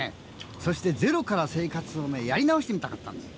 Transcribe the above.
そして、ゼロから生活をやり直してみたかったんです。